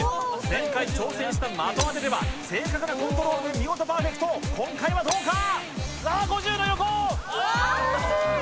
前回挑戦した的当てでは正確なコントロールで見事パーフェクト、今回はどうだ？